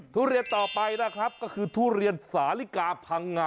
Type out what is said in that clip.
ทุเรียนต่อไปนะครับก็คือทุเรียนสาลิกาพังงา